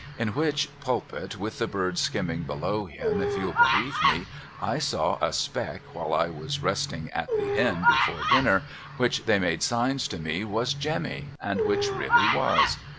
In which pulpit with the birds skimming below him if you'll believe me, I saw a speck while 1 was resting at the inn before dinner which they made signs to me was Jemmy and which really was.